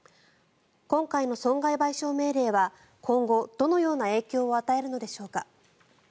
今回の損害賠償命令は今後、どのような影響を与えるのでしょうか。